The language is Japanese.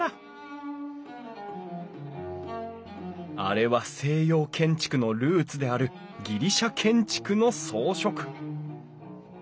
あれは西洋建築のルーツであるギリシャ建築の装飾！